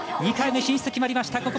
２回目進出、決まりました。